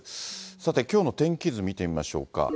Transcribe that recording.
さて、きょうの天気図見てみましょうか。